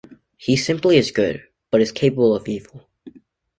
He simply is good, but is capable of evil.